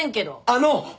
あの！